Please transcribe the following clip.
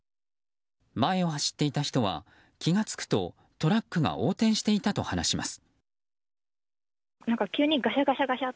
前を走っていた人は、気が付くとトラックが横転していたと話します。